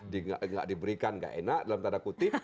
tidak diberikan tidak enak dalam tanda kutip